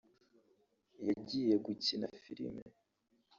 yagiye gukina filime